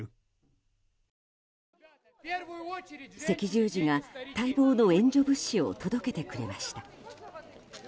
赤十字が待望の援助物資を届けてくれました。